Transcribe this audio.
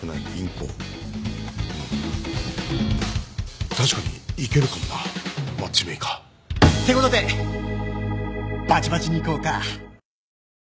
うん確かにいけるかもなマッチメーカー。ってことでバチバチにいこうか。